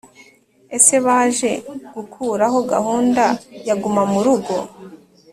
Ese baje gukuraho gahunda ya guma mu rugo